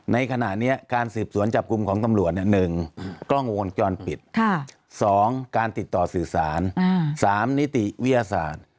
ในขณะนี้การสืบสวนจับกลุ่มของตำรวจ๑กล้องวงจรปิด๒การติดต่อสื่อสาร๓นิติวิทยาศาสตร์